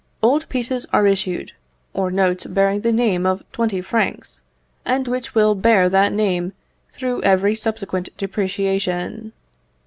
Old pieces are issued, or notes bearing the name of twenty francs, and which will bear that name through every subsequent depreciation.